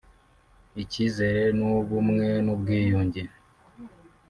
icyizere n’uw’ubumwe n’ubwiyunge